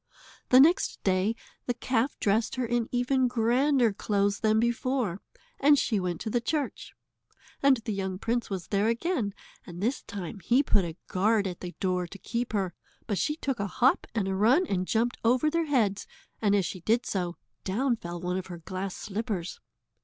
The next day the calf dressed her in even grander clothes than before, and she went to the church. And the young prince was there again, and this time he put a guard at the door to keep her, but she took a hop and a run and jumped over their heads, and as she did so, down fell one of her glass slippers.